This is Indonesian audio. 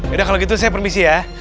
yaudah kalau gitu saya permisi ya